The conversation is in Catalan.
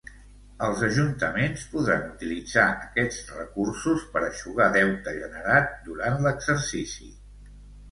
Els ajuntaments podran utilitzar aquests recursos per eixugar deute generat durant l'exercici.